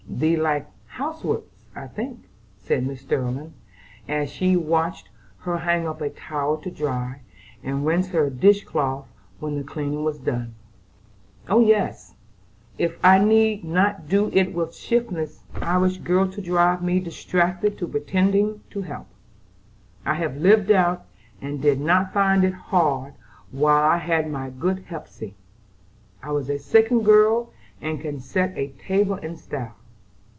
"Thee likes housework I think," said Mrs. Sterling, as she watched her hang up a towel to dry, and rinse her dish cloth when the cleaning up was done. "Oh, yes! if I need not do it with a shiftless Irish girl to drive me distracted by pretending to help. I have lived out, and did not find it hard while I had my good Hepsey. I was second girl, and can set a table in style.